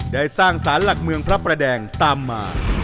ได้สร้างสารหลักเมืองพระประแดงตามมา